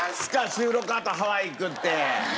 収録あとハワイ行くって。